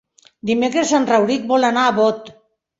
Dimecres en Rauric vol anar a Bot.